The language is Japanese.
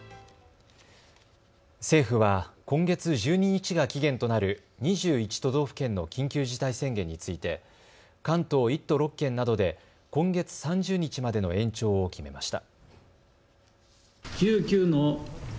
政府は今月１２日が期限となる２１都道府県の緊急事態宣言について関東１都６県などで今月３０日までの延長を決めました。